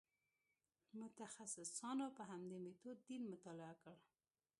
متخصصانو په همدې میتود دین مطالعه کړ.